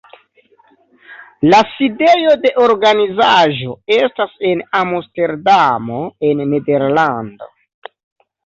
La sidejo de organizaĵo estas en Amsterdamo en Nederlando.